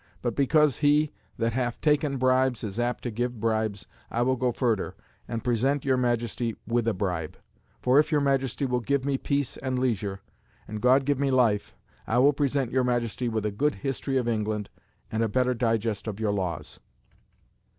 But because he that hath taken bribes is apt to give bribes, I will go furder, and present your Majesty with a bribe. For if your Majesty will give me peace and leisure, and God give me life, I will present your Majesty with a good history of England, and a better digest of your laws."